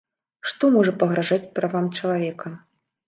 Што можа пагражаць правам чалавека?